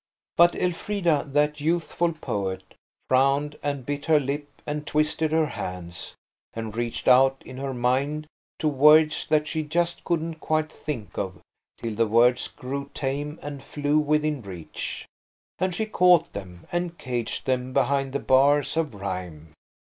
But Elfrida, that youthful poet, frowned and bit her lip and twisted her hands, and reached out in her mind to words that she just couldn't quite think of, till the words grew tame and flew within reach, and she caught them and caged them behind the bars of rhyme.